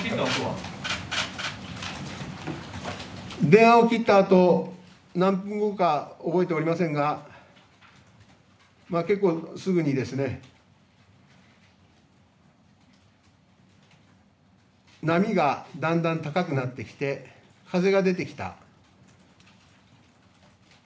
電話を切ったあと何分後か覚えておりませんが結構、すぐに波がだんだん高くなってきて風が出てきた。